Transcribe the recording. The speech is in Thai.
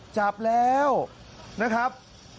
จับแล้วนะครับ